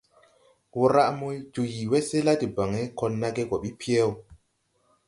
Wramo jo yii wɛsɛ la debaŋ, kɔl nage gɔ ɓi pyɛw.